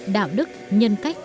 đạo đức nhân cách